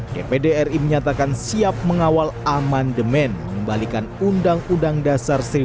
dpd ri menyatakan siap mengawal amandemen mengembalikan undang undang dasar seribu sembilan ratus empat puluh lima